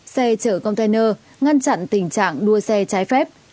xe chở container ngăn chặn tình trạng đua xe trái phép